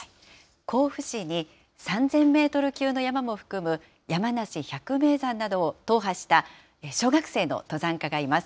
甲府市に、３０００メートル級の山も含む山梨百名山などを踏破した小学生の登山家がいます。